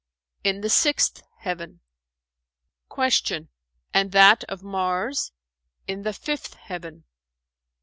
"In the sixth heaven." Q "And that of Mars?" "In the fifth heaven."